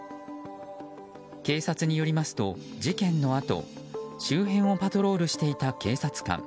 警察によりますと、事件のあと周辺をパトロールしていた警察官。